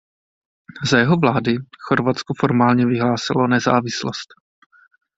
Za jeho vlády Chorvatsko formálně vyhlásilo nezávislost.